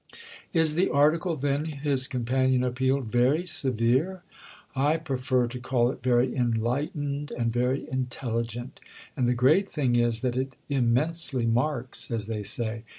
"Is the article, then," his companion appealed, "very severe?" "I prefer to call it very enlightened and very intelligent—and the great thing is that it immensely 'marks,' as they say.